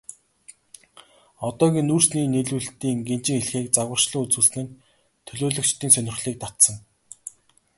Одоогийн нүүрсний нийлүүлэлтийн гинжин хэлхээг загварчлан үзүүлсэн нь төлөөлөгчдийн сонирхлыг татсан.